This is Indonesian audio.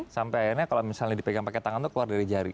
sampai akhirnya kalau misalnya dipegang pakai tangan tuh keluar dari jari